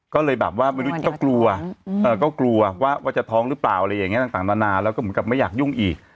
ก็เลยแบบว่าไม่รู้ก็กลัวก็กลัวว่าจะท้องหรือเปล่าอะไรอย่างนี้ต่างนานาแล้วก็เหมือนกับไม่อยากยุ่งอีก